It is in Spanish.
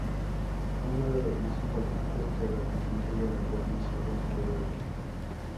Fue uno de los más importantes terratenientes de la Provincia de Quebec.